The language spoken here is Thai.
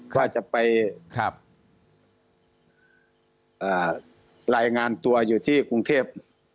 ก็จะไปรายงานตัวอยู่ที่กรุงเทพ